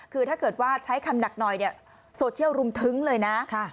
คือถ้าเกิดว่าใช้คำหนักหน่อยเนี่ยโซเชียลรุมทึ้งเลยนะ